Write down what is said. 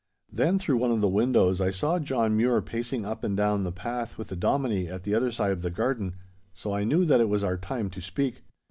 Then through one of the windows I saw John Mure pacing up and down the path with the Dominie at the other side of the garden, so I knew that it was our time to speak.